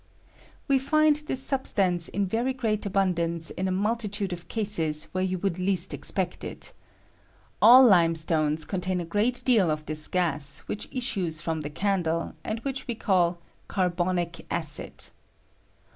We find this substance in very great abundance in a multitude of cases where you would least ex pect it. All iimestonea contain a great deal of this gas which issues from the candle, and which we call carbonic add.